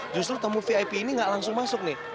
justru tamu vip ini nggak langsung masuk nih